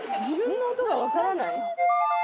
自分の音が分かんないです。